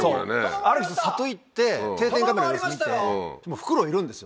里行って定点カメラの様子を見てフクロウいるんですよ。